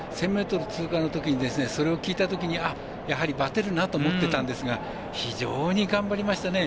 １０００ｍ通過のときにそれを聞いたときやはり、ばてるなと思っていたんですが非常に頑張りましたね。